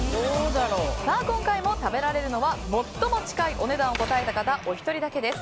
今回も食べられるのは最も近いお値段を答えられた方お一人だけです。